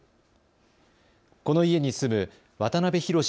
この家に住む渡邊宏